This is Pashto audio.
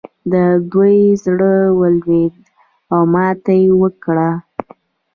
د دوی زړه ولوېد او ماته یې وکړه.